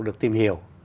được tìm hiểu